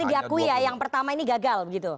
oke berarti diakui ya yang pertama ini gagal begitu